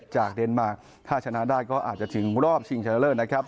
เดนมาร์ถ้าชนะได้ก็อาจจะถึงรอบชิงชนะเลิศนะครับ